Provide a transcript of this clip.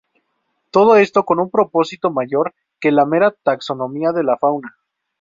Todo esto con un propósito mayor que la mera taxonomía de la fauna.